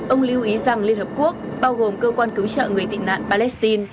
ông lưu ý rằng liên hợp quốc bao gồm cơ quan cứu trợ người tị nạn palestine